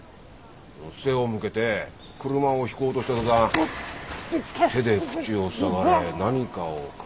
背を向けて車を引こうとした途端手で口を塞がれ何かを嗅がされて。